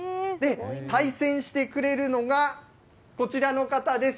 対戦してくれるのが、こちらの方です。